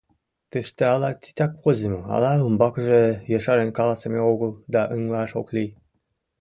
Тыште ала титак возымо, ала умбакыже ешарен каласыме огыл да ыҥлаш ок лий.